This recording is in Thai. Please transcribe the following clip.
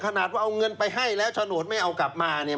ขนาดว่าเอาเงินไปให้แล้วโฉนดไม่เอากลับมาเนี่ย